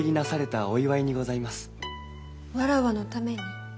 わらわのために？